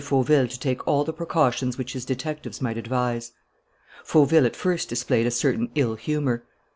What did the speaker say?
Fauville to take all the precautions which his detectives might advise. Fauville at first displayed a certain ill humour.